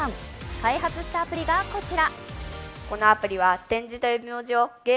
開発したアプリがこちら。